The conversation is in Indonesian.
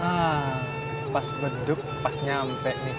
ah pas beduk pas nyampe nih